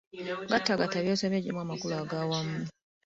Gattagatta by'osomye oggyemu amakulu aga wamu.